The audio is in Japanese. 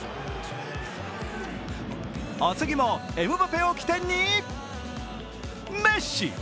お次もエムバペを起点にメッシ。